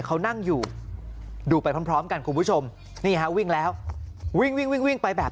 เขานั่งอยู่ดูไปพร้อมกันคุณผู้ชมนี่วิ่งแล้ววิ่งไปแบบ